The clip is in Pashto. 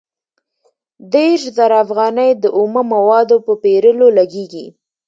دېرش زره افغانۍ د اومه موادو په پېرلو لګېږي